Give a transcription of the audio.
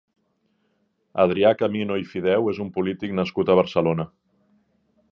Adrià Camino i Fideu és un polític nascut a Barcelona.